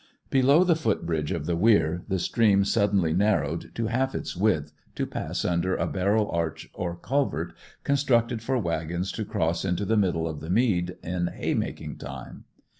Below the foot bridge of the weir the stream suddenly narrowed to half its width, to pass under a barrel arch or culvert constructed for waggons to cross into the middle of the mead in haymaking time.